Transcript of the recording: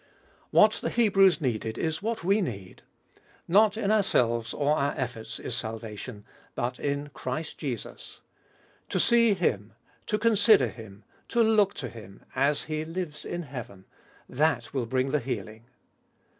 What the Hebrews needed is what we need. Not in ourselves or our efforts is salvation, but in Christ Jesus. To see Him, to consider Him, to look to Him, as He lives in heaven, that will bring the healing.